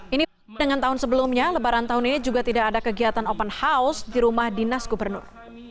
ini dengan tahun sebelumnya lebaran tahun ini juga tidak ada kegiatan open house di rumah dinas gubernur